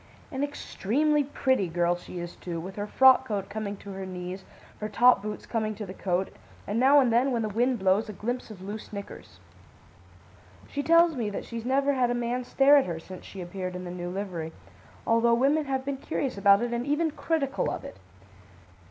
"An extremely pretty girl she is, too, with her frock coat coming to her knees, her top boots coming to the coat, and now and then, when the wind blows, a glimpse of loose knickers. She tells me that she's never had a man stare at her since she appeared in the new livery, although women have been curious about it and even critical of it.